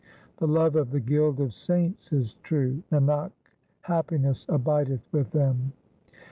The love of the guild of saints is true ; Nanak happiness abideth with them.